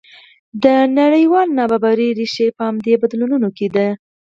د نړیوالې نابرابرۍ ریښې په همدې بدلونونو کې دي.